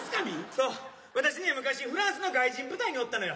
そう私ね昔フランスの外国人部隊におったのよ。